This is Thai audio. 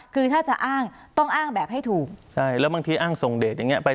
คือถ้าจะอ้างต้องอ้างแบบให้ถูกใช่แล้วบางทีอ้างส่งเดทอย่างเงี้ไป